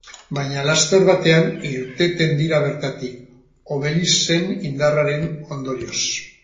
Baina laster batean irteten dira bertatik, Obelixen indarraren ondorioz.